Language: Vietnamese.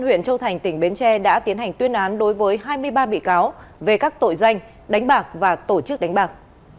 huyện châu thành tỉnh bến tre đã tiến hành tuyên án đối với hai mươi ba bị cáo về các tội danh đánh bạc và tổ chức đánh bạc